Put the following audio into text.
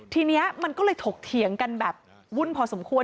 ทีนี้มันก็เลยถกเถียงกันแบบวุ่นพอสมควร